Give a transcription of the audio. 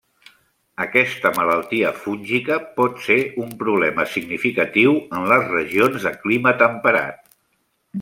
Aquesta malaltia fúngica pot ser un problema significatiu en les regions de clima temperat.